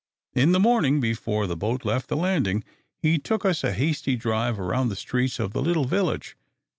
In the morning, before the boat left the landing, he took us a hasty drive around the streets of the little village.